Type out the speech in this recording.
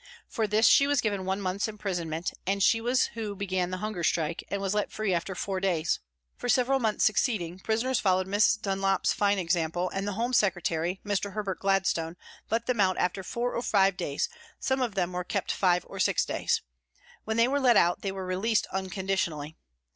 For this she was given one month's imprisonment, and she it was who began the hunger strike, and was let free after four days. For several months succeeding prisoners followed Miss Dunlop's fine example, and the Home Secretary, Mr. Herbert Gladstone, let them out after four or five days, some of them were kept five or six days. When they were let out they were released unconditionally.